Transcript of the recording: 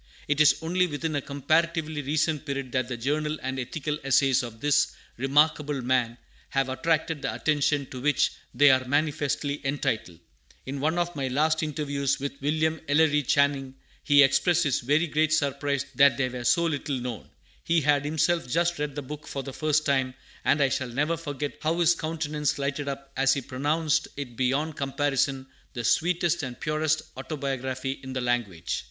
It is only within a comparatively recent period that the journal and ethical essays of this remarkable man have attracted the attention to which they are manifestly entitled. In one of my last interviews with William Ellery Channing, he expressed his very great surprise that they were so little known. He had himself just read the book for the first time, and I shall never forget how his countenance lighted up as he pronounced it beyond comparison the sweetest and purest autobiography in the language.